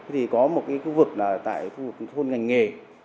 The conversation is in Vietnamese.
thì có một khu vực là tại khu vực thôn ngành nghề